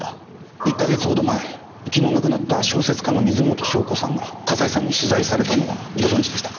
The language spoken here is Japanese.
１か月ほど前昨日亡くなった小説家の水元湘子さんが笠井さんに取材されたのはご存じでしたか？